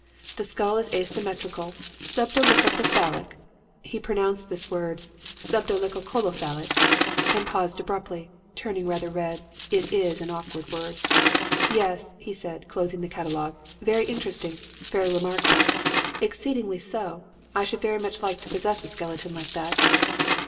The skull is asymmetrical, subdolichocephalic.' (He pronounced this word subdolichocolophalic' and paused abruptly, turning rather red. It is an awkward word.) 'Yes,' he said, closing the catalogue, 'very interesting, very remarkable. Exceedingly so. I should very much like to possess a skeleton like that.'